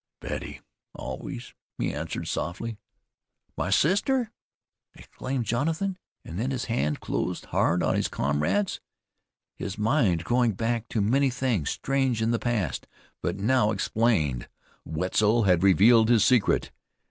"Betty always," he answered softly. "My sister!" exclaimed Jonathan, and then his hand closed hard on his comrade's, his mind going back to many things, strange in the past, but now explained. Wetzel had revealed his secret.